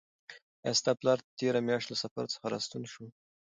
آیا ستا پلار تېره میاشت له سفر څخه راستون شو؟